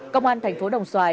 công an thành phố đồng xoài